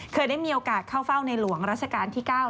เคยได้มีโอกาสเข้าเฝ้าในหลวงราชการที่๙